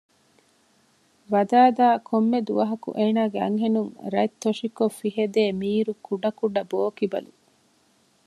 ވަދާދާ ކޮންމެ ދުވަހަކު އޭނާގެ އަންހެނުން ރަތްތޮށިކޮށް ފިހެދޭ މީރު ކުޑަކުޑަ ބޯކިބަލު